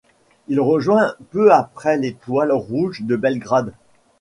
Il rejoint peu après l'Étoile rouge de Belgrade.